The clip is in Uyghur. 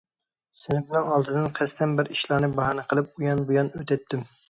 سىنىپىنىڭ ئالدىدىن قەستەن بىر ئىشلارنى باھانە قىلىپ، ئۇيان بۇيان ئۆتەتتىم.